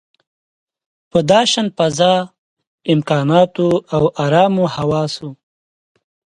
په داشان فضا، امکاناتو او ارامو حواسو.